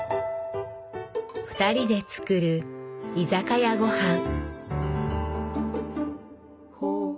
２人で作る「居酒屋ごはん」。